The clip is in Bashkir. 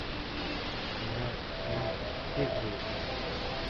Мә, мә, тиҙ бул!